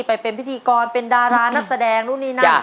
ไปเป็นพิธีกรเป็นดารานักแสดงนู่นนี่นั่น